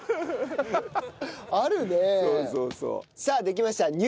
さあできました。